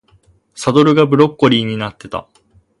サドルがブロッコリーになってた